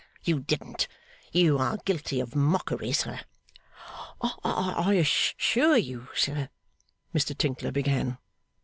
You didn't. You are guilty of mockery, sir.' 'I assure you, sir ' Mr Tinkler began.